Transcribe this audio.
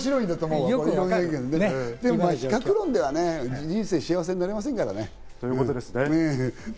でもまぁ、比較論ではね、人生幸せになれませんからね。